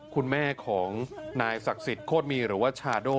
คุณแม่ของนายศักดิ์สิทธิโคตรมีหรือว่าชาโด่